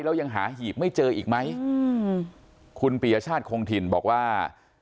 แล้วยังหาหีบไม่เจออีกไหมอืมคุณปียชาติคงถิ่นบอกว่า